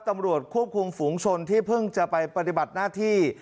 ตำรวจควบคุมฝูงชนที่เพิ่งจะไปปฏิบัติหน้าที่